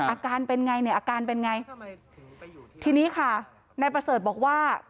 อาการเป็นไงเนี่ยอาการเป็นไงทีนี้ค่ะนายประเสริฐบอกว่า